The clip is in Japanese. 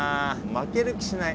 負ける気しない。